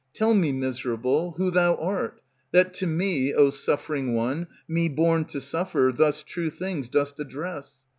Tell me, miserable, who thou art, That to me, O suffering one, me born to suffer, Thus true things dost address?